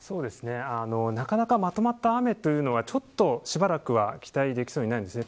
なかなかまとまった雨というのはしばらくは期待できそうにないんですね。